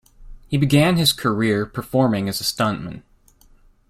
He began his career performing as a stuntman.